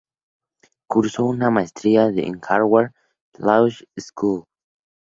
Cursó una maestría en la Harvard Law School.